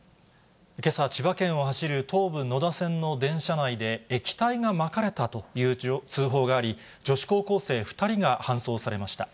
けさ、千葉県を走る東武野田線の電車内で液体がまかれたという通報があり、女子高校生２人が搬送されました。